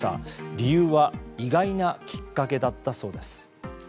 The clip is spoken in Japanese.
理由は意外なきっかけだったそうです。